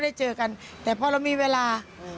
ได้เจอกันแต่พอเรามีเวลา